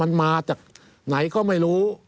มันมาจากไหนก็ไม่รู้